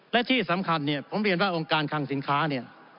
และที่สำคัญเนี่ยผมเรียนว่าองค์การคังสินค้าเนี่ย